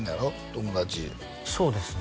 友達そうですね